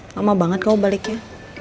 lama banget kamu baliknya